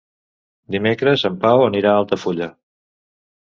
Dimecres en Pau anirà a Altafulla.